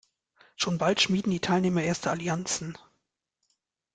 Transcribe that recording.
Schon bald schmieden die Teilnehmer erste Allianzen.